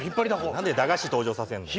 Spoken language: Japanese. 何で駄菓子登場させんの。